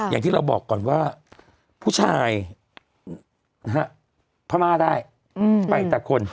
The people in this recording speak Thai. อย่างที่เราบอกก่อนว่าผู้ชายนะฮะพม่าได้ไปแต่คน